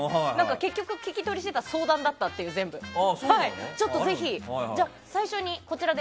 結局、聞き取りをしていたら全部相談だったっていうことで。